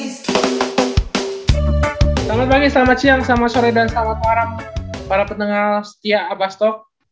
selamat pagi selamat siang selamat sore dan selamat warang para penengah setia abastok